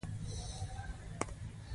دغه هورمونونه بدن د ستونزو لپاره چمتو کوي.